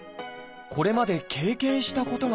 これまで経験したことがない